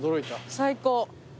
最高。